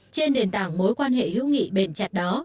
trên nền tảng mối quan hệ hữu nghị bền chặt đó